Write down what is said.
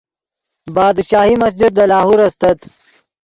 بادشاہی مسجد دے لاہور استت